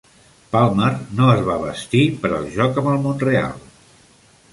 Palmer no es va vestir per al joc amb el Montreal.